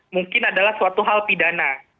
mungkin adalah suatu hal pidana